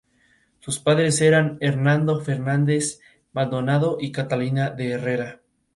Sus padres eran Hernando Fernández Maldonado y Catalina de Herrera.